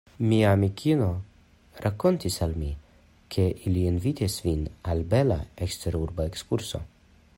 Mia amikino rakontis al mi, ke ili invitis vin al bela eksterurba ekskurso.